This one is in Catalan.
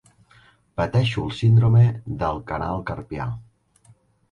Pateixo del síndrome del canal carpià.